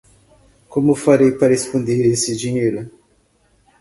Como farei para esconder esse dinheiro?